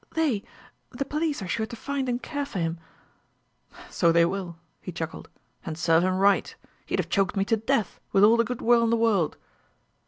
"They the police are sure to find and care for him." "So they will." He chuckled, "And serve him right! He'd have choked me to death, with all the good will in the world!"